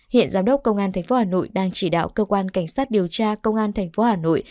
hiện giám đốc công an tp hà nội đang chỉ đạo cơ quan cảnh sát điều tra công an tp hà nội